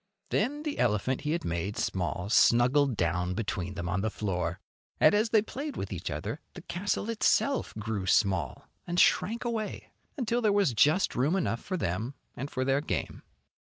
Then the elephant he had made small snuggled down between them on the floor. And as they played with each other, the castle itself grew small, and shrank away imtil there was just room enough for them and for their game.